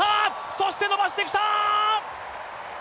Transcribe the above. そして伸ばしてきた！